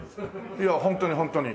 いやホントにホントに。